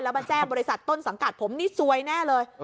มาแจ้งบริษัทต้นสังกัดผมนี่ซวยแน่เลย